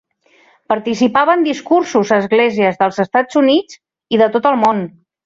Participava en discursos a esglésies dels Estats Units i de tot el món.